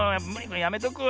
やめとくわ。